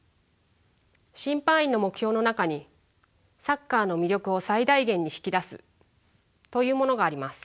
審判員の目標の中に「サッカーの魅力を最大限に引き出す」というものがあります。